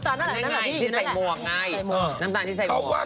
น้ำตาลที่ใส่หมวกไง